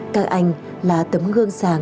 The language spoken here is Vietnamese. các anh là tấm gương sáng